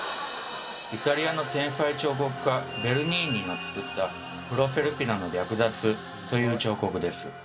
イタリアの天才彫刻家ベルニーニの作った「プロセルピナの略奪」という彫刻です。